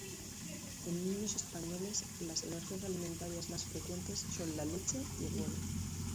En niños españoles, las alergias alimentarias más frecuentes son la leche y el huevo.